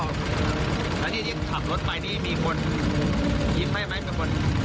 แล้วนี่ที่ขับรถไปนี่มีคนยิ้มให้ไหมเป็นคน